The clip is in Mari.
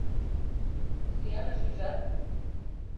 Сӱаныш ӱжат?